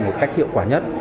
một cách hiệu quả nhất